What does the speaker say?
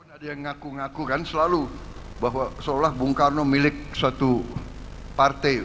ada yang ngaku ngaku kan selalu bahwa seolah bung karno milik suatu partai